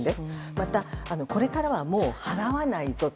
またこれからはもう払わないぞと。